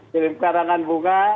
kirim karangan bunga